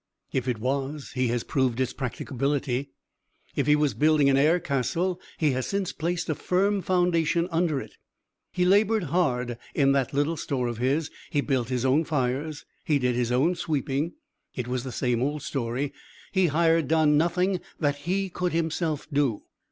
If it was he has proved its practicability. If he was building an air castle he has since placed a firm foundation under it. He labored hard in this little store of his; he built his own fires; he did his own sweeping, it was the same old story; he hired done nothing that he could himself do.